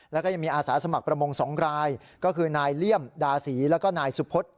แล้วก็ยังมีอาสาสมัครประมงสองกราย